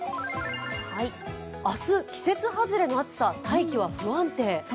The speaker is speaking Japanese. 明日、季節外れの暑さ、大気は不安定。